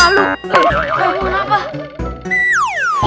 eh pengen apa